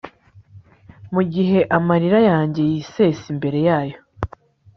mu gihe amarira yanjye yisesa imbere yayo